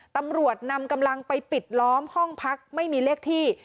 ตำรวจนำกำลังไปปิดล้อมห้องพักไม่มีเลขที่